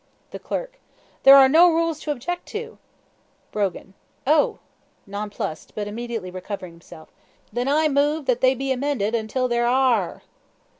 The Clerk. There are no rules to object to. Brogan. Oh! [nonplussed; but immediately recovering himself]. Thin I move that they be amended until there ar r re!